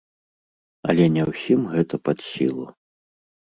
Але не ўсім гэта пад сілу.